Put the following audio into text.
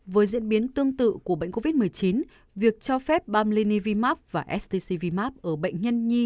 với diễn biến tương tự của bệnh covid một mươi chín việc cho phép bamlanivimap và stcvmap ở bệnh nhân nhi